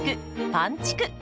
「パンちく」。